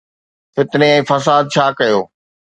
فتني ۽ فساد ڇا ڪيو.